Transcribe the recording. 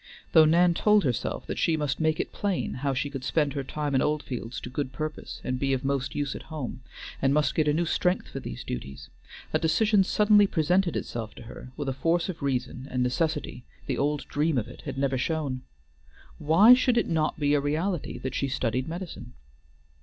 Though Nan told herself that she must make it plain how she could spend her time in Oldfields to good purpose and be of most use at home, and must get a new strength for these duties, a decision suddenly presented itself to her with a force of reason and necessity the old dream of it had never shown. Why should it not be a reality that she studied medicine?